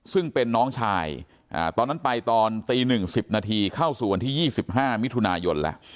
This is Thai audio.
ซึ่งเป็นน้องชายตอนนั้นไปตอนตี๑๐นาทีเข้าสู่วันที่๒๕มิถุนายนแล้ว